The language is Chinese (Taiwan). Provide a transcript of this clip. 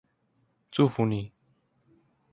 祝福你